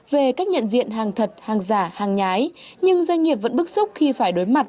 về cách nhận diện hàng thật hàng giả hàng nhái nhưng doanh nghiệp vẫn bức xúc khi phải đối mặt